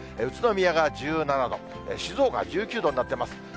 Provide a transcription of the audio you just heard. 宇都宮が１７度、静岡は１９度になっています。